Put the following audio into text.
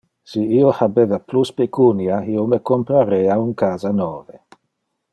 Si io habeva plus pecunia, io me comprarea un casa nove.